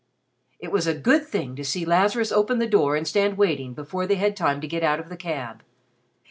It was a good thing to see Lazarus open the door and stand waiting before they had time to get out of the cab.